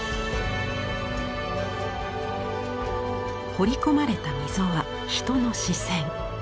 彫り込まれた溝は人の視線。